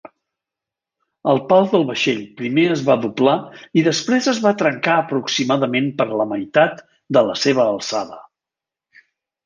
El pal del vaixell primer es va doblar i després es va trencar aproximadament per la meitat de la seva alçada.